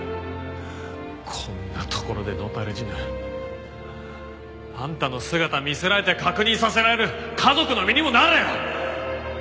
こんな所で野垂れ死ぬあんたの姿見せられて確認させられる家族の身にもなれ！